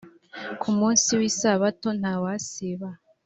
ku munsi w’ isabato ntawusiba.